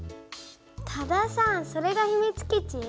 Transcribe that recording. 多田さんそれがひみつ基地？